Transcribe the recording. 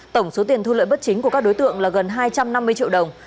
tổng số tiền thu lợi bất chính của các đối tượng là gần hai trăm năm mươi triệu đồng